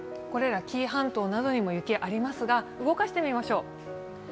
紀伊半島などにも雪、ありますが動かしてみましょう。